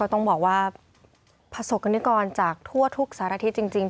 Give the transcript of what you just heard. ผมต้องบอกว่าผสกกรณิกรจากทั่วทุกสาระที่จริง